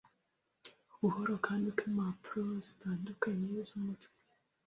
buhoro kandi ko impapuro zitandukanye z'umutwe